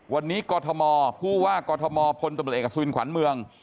วันนี้กรทมผู้ว่ากรทมพตเอกอสุวินขวานเมือง